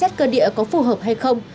xét cơ địa có phù hợp hay không